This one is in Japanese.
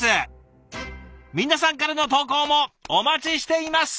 皆さんからの投稿もお待ちしています！